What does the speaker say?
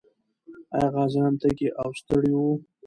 آیا غازیان تږي او ستړي وو؟